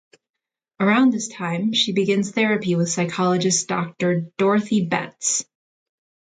Around this time, she begins therapy with psychologist Doctor Dorothy Betz.